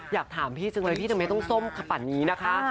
อยากถามพี่จริงพี่จะไม่ให้ต้องส้มขับปันนี้นะคะ